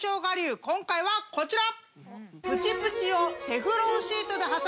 今回はこちら！